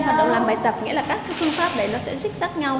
hoạt động làm bài tập nghĩa là các phương pháp đấy nó sẽ xích chất với nhau